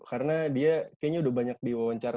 karena dia kayaknya udah banyak diwawancara